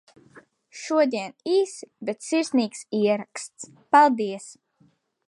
Šodien īss, bet sirsnīgs ieraksts. Paldies!